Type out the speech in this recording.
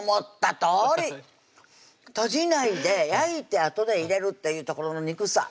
とじないで焼いてあとで入れるっていうところの憎さ